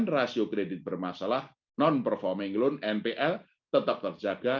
rasio kredit bermasalah non performing loan npl tetap terjaga